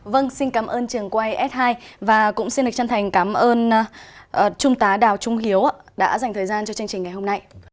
vâng xin cảm ơn trường quay s hai và cũng xin lịch chân thành cảm ơn trung tá đào trung hiếu đã dành thời gian cho chương trình ngày hôm nay